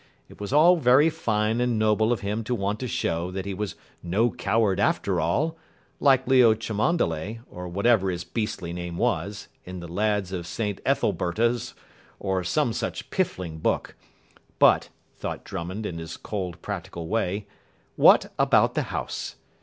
It was all very fine and noble of him to want to show that he was No Coward After All, like Leo Cholmondeley or whatever his beastly name was, in The Lads of St. Ethelberta's or some such piffling book; but, thought Drummond in his cold, practical way, what about the house?